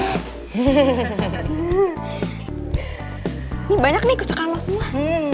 ini banyak nih kusukan lo semua